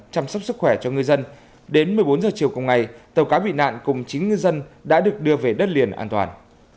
chăm sóc sức khỏe cho ngư dân đến một mươi bốn h chiều cùng ngày tàu cá bị nạn cùng chín ngư dân đã được đưa về đất liền an toàn